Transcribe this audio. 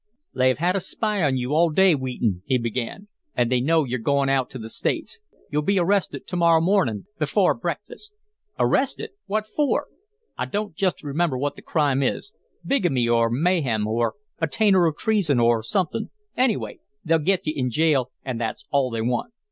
"They have had a spy on you all day, Wheaton," he began, "and they know you're going out to the States. You'll be arrested to morrow morning before breakfast." "Arrested! What for?" "I don't just remember what the crime is bigamy, or mayhem, or attainder of treason, or something anyway, they'll get you in jail and that's all they want.